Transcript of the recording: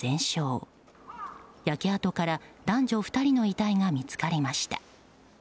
焼け跡から男女２人の遺体が見つかりました。